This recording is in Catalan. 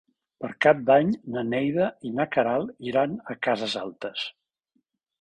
Per Cap d'Any na Neida i na Queralt iran a Cases Altes.